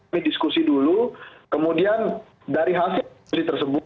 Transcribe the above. ini diskusi dulu kemudian dari hasil diskusi tersebut